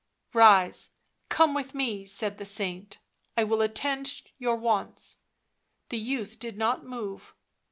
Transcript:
" Rise. Come with me," said the saint. " I will attend your wants." The youth did not move.